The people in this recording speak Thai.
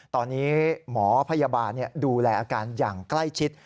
ตอนนี้หมอพยาบาลดูแลอาการอย่างใกล้ชิด